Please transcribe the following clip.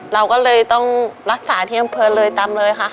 เราก็เลยต้องรักษาที่อำเภอเลยตามเลยค่ะ